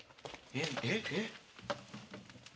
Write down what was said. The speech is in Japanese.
えっえっ？